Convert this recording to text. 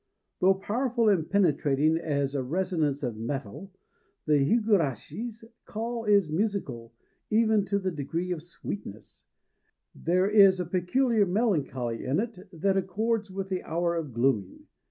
Though powerful and penetrating as a resonance of metal, the higurashi's call is musical even to the degree of sweetness; and there is a peculiar melancholy in it that accords with the hour of gloaming.